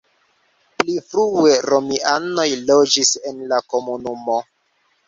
Pli frue romianoj loĝis en la komunumo.